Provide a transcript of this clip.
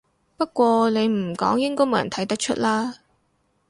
不過你唔講應該冇人睇得出啦